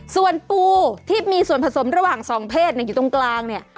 ส่วนปูที่มีส่วนผสมระหว่างสองเพศอยู่ตรงกลางเนี่ย